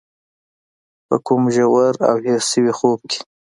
په کوم ژور او هېر شوي خوب کې.